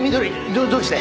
どどうして？